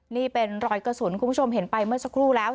นี่เป็นรอยกระสุนคุณผู้ชมเห็นไปเมื่อสักครู่แล้ว